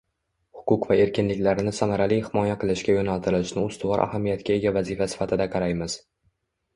huquq va erkinliklarini samarali himoya qilishga yo‘naltirishni ustuvor ahamiyatga ega vazifa sifatida qaraymiz.